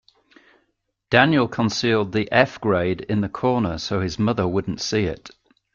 Daniel concealed the F grade in the corner so his mother wouldn't see it.